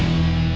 oke sampai jumpa